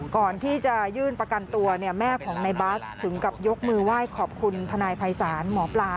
ก่อนที่จะยื่นประกันตัวแม่ของในบัสถึงกับยกมือไหว้ขอบคุณทนายภัยศาลหมอปลา